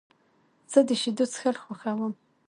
زه د شیدو څښل خوښوم.